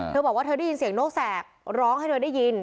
เธอบอกว่าเธอได้ยินเสียงนกแสบร้องให้เธอได้ยิน